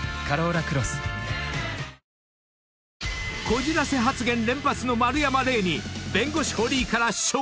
［こじらせ発言連発の丸山礼に］